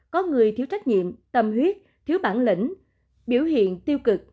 có người thiếu trách nhiệm tâm huyết thiếu bản lĩnh biểu hiện tiêu cực